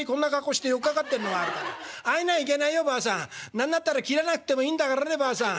何だったら切らなくてもいいんだからねばあさん。